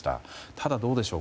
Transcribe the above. ただ、どうでしょう。